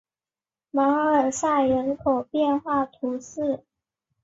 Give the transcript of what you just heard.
马尔赛人口变化图示